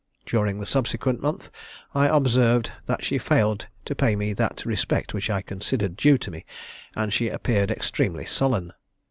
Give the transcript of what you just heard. During the subsequent month, I observed that she failed to pay me that respect which I considered due to me, and she appeared extremely sullen.